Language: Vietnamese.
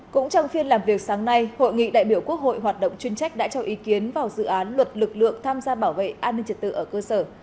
cũng trong phiên làm việc sáng nay hội nghị đại biểu quốc hội hoạt động chuyên trách đã cho ý kiến vào dự án luật lực lượng tham gia bảo vệ an ninh trật tự ở cơ sở